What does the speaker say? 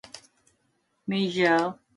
Azerbaijanis are majority.